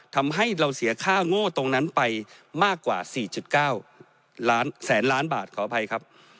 ทำให้เราเสียค่าโง่ตรงนั้นไปมากกว่า๔๙ล้านแสนล้านบาทขออภัยครับ